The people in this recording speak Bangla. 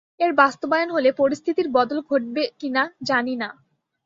এর বাস্তবায়ন হলে পরিস্থিতির বদল ঘটবে কি না, জানি না।